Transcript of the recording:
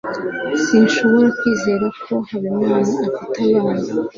sinshobora kwizera ko habimana afite abana